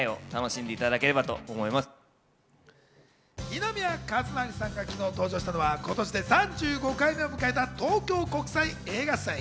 二宮和也さんが昨日登場したのは、今年で３５回目を迎えた東京国際映画祭。